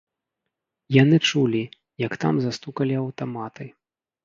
Яны чулі, як там застукалі аўтаматы.